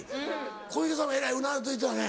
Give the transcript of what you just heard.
小池さんもえらいうなずいてたね。